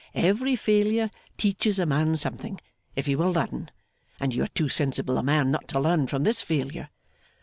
Every failure teaches a man something, if he will learn; and you are too sensible a man not to learn from this failure.